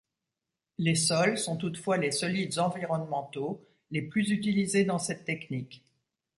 Les sols sont toutefois les solides environnementaux les plus utilisés dans cette technique.